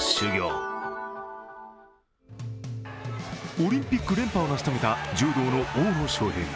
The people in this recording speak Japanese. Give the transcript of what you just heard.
オリンピック連覇を成し遂げた柔道の大野将平。